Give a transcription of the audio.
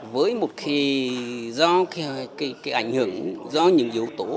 với một khi do cái ảnh hưởng do những yếu tố